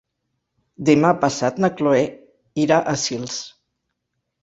Demà passat na Chloé irà a Sils.